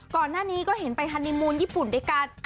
ก่อนหน้านี้ก็เห็นไปฮันนิมูลญี่ปุ่นด้วยกัน